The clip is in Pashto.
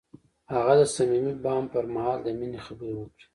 هغه د صمیمي بام پر مهال د مینې خبرې وکړې.